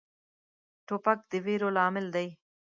توپک د ویرو لامل دی.